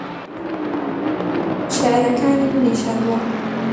شێعرەکانی منیش هەروا